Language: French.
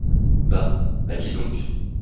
Bah ! à qui donc ?